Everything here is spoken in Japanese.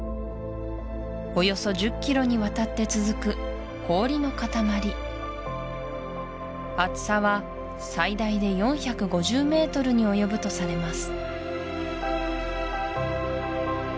およそ１０ｋｍにわたって続く氷の塊厚さは最大で４５０ｍに及ぶとされます